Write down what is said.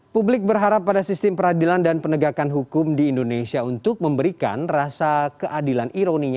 publik berharap pada sistem peradilan dan penegakan hukum di indonesia untuk memberikan rasa keadilan ironinya